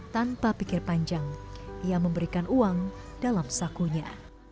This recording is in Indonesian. tanpa pikir panjang ia memberikan uang dalam sakunya